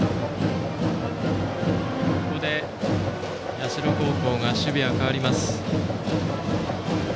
ここで社高校の守備が変わります。